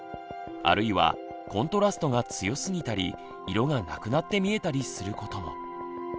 あるいはコントラストが強すぎたり色がなくなって見えたりすることも。